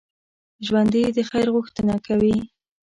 ژوندي د خیر غوښتنه کوي